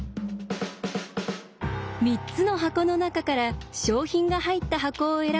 ３つの箱の中から賞品が入った箱を選ぶとき